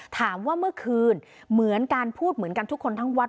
ถามว่าเมื่อคืนเหมือนการพูดเหมือนกันทุกคนทั้งวัด